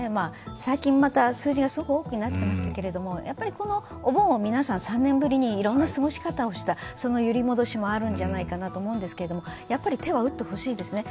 最近また数字がすごく多くなっていますけれども、やっぱりこのお盆を皆さん３年ぶりにいろんな過ごし方をした、その揺り戻しもあるんじゃないかなと思うんですけど手は打ってほしいですね。